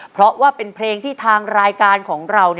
เพราะว่าเป็นเพลงที่ทางรายการของเรา